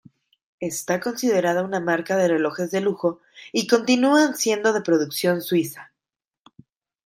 Está considerada una marca de relojes de lujo y continúan siendo de producción suiza.